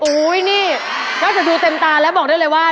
อุ้ยนี่นอกจากดูเต็มตาแล้วบอกได้เลยว่า